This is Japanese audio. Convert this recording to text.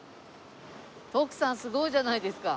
徳さんすごいじゃないですか。